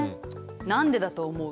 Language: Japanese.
何でだと思う？